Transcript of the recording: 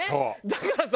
だからさ